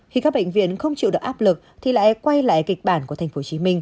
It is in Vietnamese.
khi các bệnh viện không chịu được áp lực thì lại quay lại kịch bản của tp hcm